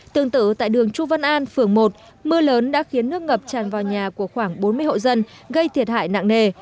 tương tự tại đường chu văn an phường một mưa lớn đã khiến nước ngập tràn vào nhà của khoảng bốn mươi hộ dân gây thiệt hại nặng nề